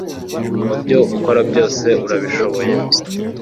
mubyo ukora byose urabishoboye